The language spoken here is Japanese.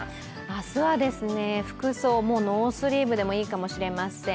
明日は服装、ノースリーブでもいいかもしれません。